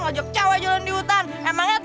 ngajak cewek jalan di hutan emangnya